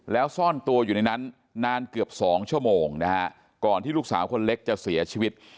แล้วซ่อนตัวอยู่ในนั้นนานเกือบ๒ชั่วโมงนะฮะก่อนที่ลูกสาวคนเล็กจะเสียชีวิต